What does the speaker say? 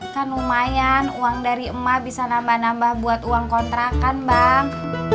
kan lumayan uang dari emak bisa nambah nambah buat uang kontrakan bang